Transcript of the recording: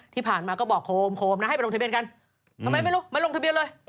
ที่ผ่านมาก็บอกโคมนะให้ไปลงทะเบียนกันทำไมไม่รู้ไม่ลงทะเบียนเลย